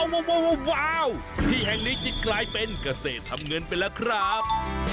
ว้าวที่แห่งนี้จะกลายเป็นเกษตรทำเงินไปแล้วครับ